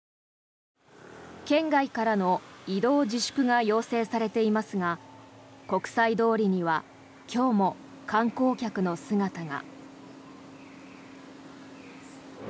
県外からの移動自粛が要請されていますが国際通りには今日も観光客の姿が。